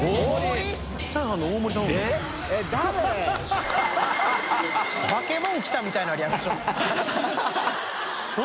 きむ）バケモノ来たみたいなリアクション